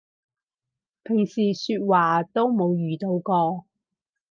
平時說話都冇遇到過